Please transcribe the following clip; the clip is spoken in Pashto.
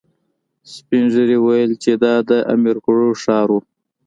سپين ږيرو ويل چې دا د امير کروړ ښار و.